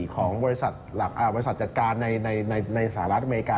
ของบริษัทจัดการในสหรัฐอเมริกา